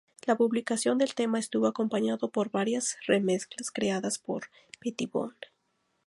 La publicación del tema estuvo acompañado por varias remezclas creadas por Pettibone.